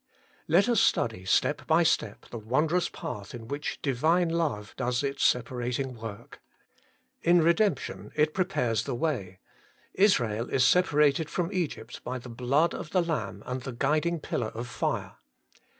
Let us study step by step the wondrous path in which Divine Love does it separating work. In redemption it prepares the way. Israel is separated from Egypt by the blood of the Lamb and the guiding pillar of fire.